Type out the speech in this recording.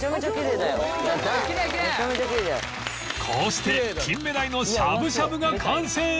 こうしてキンメダイのしゃぶしゃぶが完成